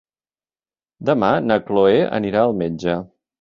Demà na Chloé anirà al metge.